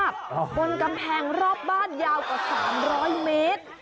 บนกำแพงรอบบ้านยาวกว่า๓๐๐เมตร